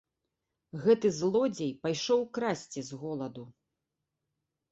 Гэты злодзей пайшоў красці з голаду.